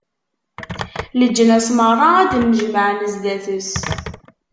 Leǧnas meṛṛa ad d-nnejmaɛen zdat-s.